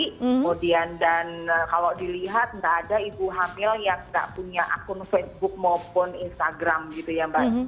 kemudian dan kalau dilihat nggak ada ibu hamil yang nggak punya akun facebook maupun instagram gitu ya mbak